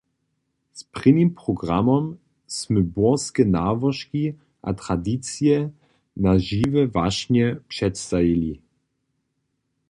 Z prěnim programom smy burske nałožki a tradicije na žiwe wašnje předstajili.